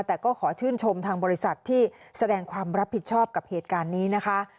แต่ก็ขอชื่นชมทางบริษัทที่แสดงความรับผิดชอบกับเหตุการณ์นี้นะคะ